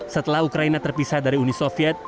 setelah ukraina terpisah dari uni soviet